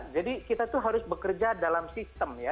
jadi kita itu harus bekerja dalam sistem ya